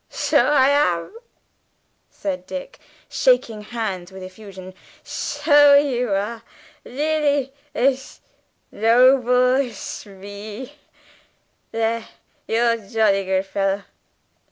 "Sho I am," said Dick, shaking hands with effusion. "Sho are you. Nearly ash noble 'sh me. There, you're jolly good fellow.